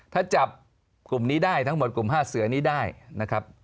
ถ้าจับกลุ่มนี้ได้ทั้งหมดกลุ่ม๕เสือนี้ได้นะครับ